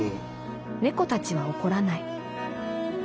「猫たちは怒らない。